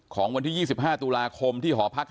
ของวันที่๒๕ตุลาคมที่หอพัก